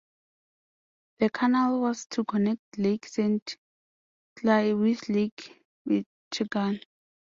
The canal was to connect Lake Saint Clair with Lake Michigan.